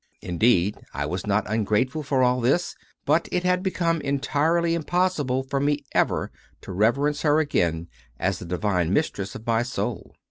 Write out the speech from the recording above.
In deed, I was not ungrateful for all this, but it had become entirely impossible for me ever to reverence her again as the divine mistress of my soul.